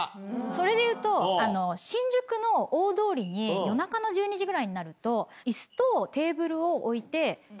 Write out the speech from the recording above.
それで言うと新宿の大通りに夜中の１２時ぐらいになると。を置いて。